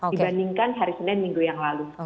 dibandingkan hari senin minggu yang lalu